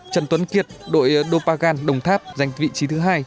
trần tuấn kiệt đội dopagan đồng tháp giành vị trí thứ hai